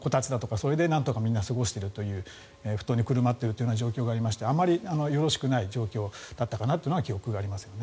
それでなんとかみんな過ごしているという布団にくるまっているという状況がありましてあまりよろしくない状況だったかなという記憶がありますけどね。